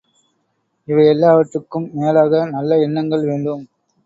இவையெல்லாவற்றுக்கும் மேலாக நல்ல எண்ணங்கள் வேண்டும்.